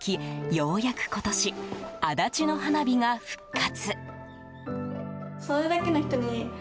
ようやく今年足立の花火が復活。